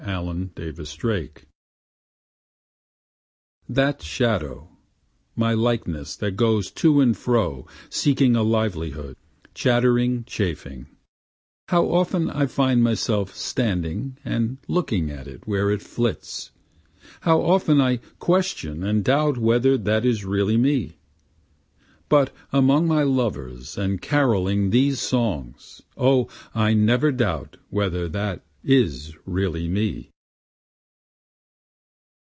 That Shadow My Likeness That shadow my likeness that goes to and fro seeking a livelihood, chattering, chaffering, How often I find myself standing and looking at it where it flits, How often I question and doubt whether that is really me; But among my lovers and caroling these songs, O I never doubt whether that is really me.